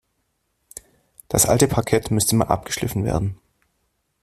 Das alte Parkett müsste Mal abgeschliffen werden.